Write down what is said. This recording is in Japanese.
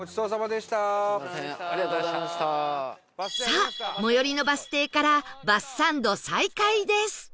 さあ最寄りのバス停からバスサンド再開です